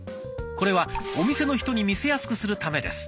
これはお店の人に見せやすくするためです。